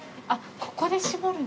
ここで絞るんだ。